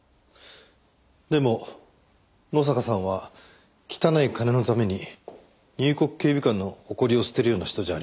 でも野坂さんは汚い金のために入国警備官の誇りを捨てるような人じゃありません。